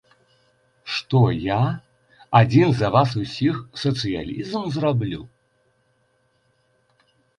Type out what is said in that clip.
Што я, адзін за вас усіх сацыялізм зраблю?